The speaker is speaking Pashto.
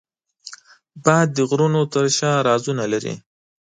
باد د غرونو تر شا رازونه لري